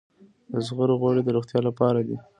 د زغرو غوړي د روغتیا لپاره دي.